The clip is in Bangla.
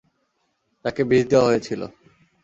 তাকে বিষ দেওয়া হয়েছিল।